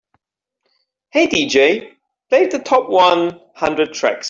"Hey DJ, play the top one hundred tracks"